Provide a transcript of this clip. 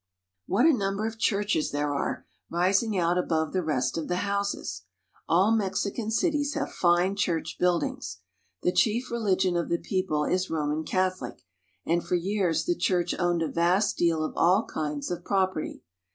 What a number of churches there are, rising out above the rest of the houses! All Mexican cities have fine church buildings. The chief religion of the people is Roman Catholic, and for years the church owned a vast deal of all kinds of property.